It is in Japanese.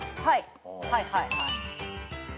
はいはいはい。